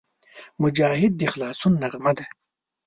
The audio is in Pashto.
مجاهد د خلاصون نغمه ده.